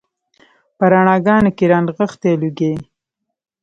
په رڼاګانو کې رانغښي لوګي